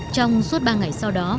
trong suốt ba ngày sau